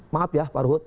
maaf ya pak ruhut